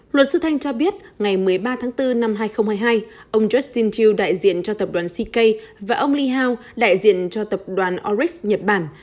luật sư thanh cho biết ngày một mươi ba tháng bốn năm hai nghìn hai mươi hai ông justin tru đại diện cho tập đoàn sik và ông lee hao đại diện cho tập đoàn orex nhật bản